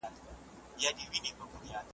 نه قوت یې د دښمن وو آزمېیلی `